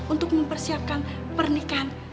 untuk mempersiapkan pernikahan